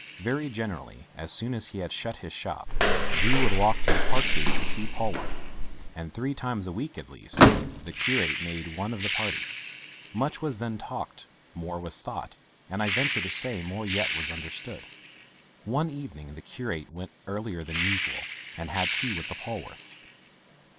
Very generally, as soon as he had shut his shop, Drew would walk to the park gate to see Polwarth; and three times a week at least, the curate made one of the party. Much was then talked, more was thought, and I venture to say, more yet was understood. One evening the curate went earlier than usual, and had tea with the Polwarths.